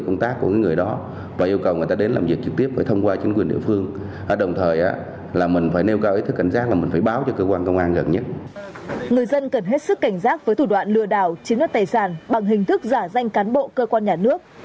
người dân cần hết sức cảnh giác với thủ đoạn lừa đảo chiếm đoạt tài sản bằng hình thức giả danh cán bộ cơ quan nhà nước